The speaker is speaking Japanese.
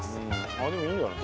あっでもいいんじゃない？